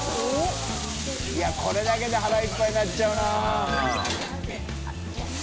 いこれだけで腹いっぱいになっちゃうな。